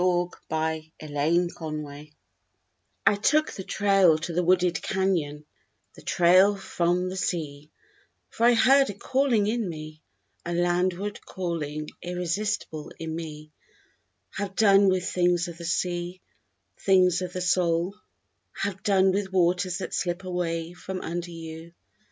THE TRAIL FROM THE SEA I took the trail to the wooded canyon, The trail from the sea: For I heard a calling in me, A landward calling irresistible in me: _Have done with things of the sea things of the soul; Have done with waters that slip away from under you.